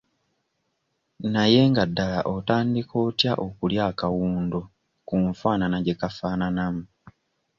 Naye nga ddala otandika otya okulya akawundo ku nfaanana gye kafaananamu?